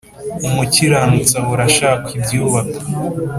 umukiranutsi ahora ashaka iby’ ubaka